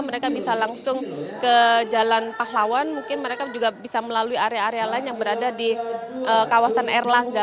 mereka bisa langsung ke jalan pahlawan mungkin mereka juga bisa melalui area area lain yang berada di kawasan erlangga